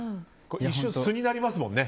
一瞬、素になりますもんね。